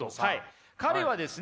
彼はですね